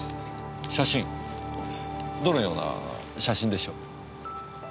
写真どのような写真でしょう？